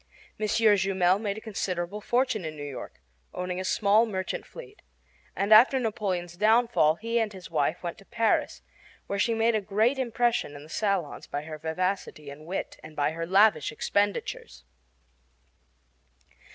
M. Jumel made a considerable fortune in New York, owning a small merchant fleet; and after Napoleon's downfall he and his wife went to Paris, where she made a great impression in the salons by her vivacity and wit and by her lavish expenditures.